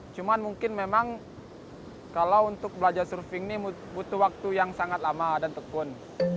cuman mungkin memang kalau untuk belajar surfing ini butuh waktu yang sangat lama dan tekun